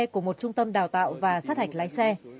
của một trung tâm đào tạo và sát hạch lái xe